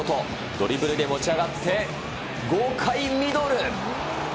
ドリブルで持ち上がって、豪快ミドル。